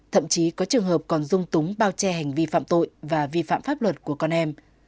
thậm chí có trường hợp còn dung túng bao che hành vi phạm tội và vi phạm pháp luật của con em